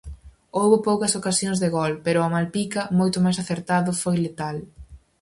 Houbo poucas ocasións de gol, pero o Malpica, moito máis acertado, foi letal.